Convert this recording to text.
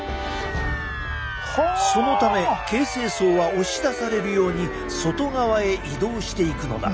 そのため形成層は押し出されるように外側へ移動していくのだ。